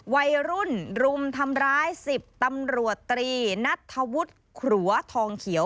วัยรุ่นรุมทำร้าย๑๐ตำรวจตรีนัทธวุฒิขรัวทองเขียว